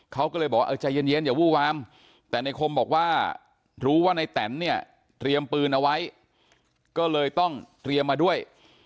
เขาก็เลยบอกเออใจเย็นอย่าวู้วามแต่ในคมบอกว่ารู้ว่าในแตนเนี่ยเตรียมปืนเอาไว้ก็เลยต้องเตรียมมาด้วย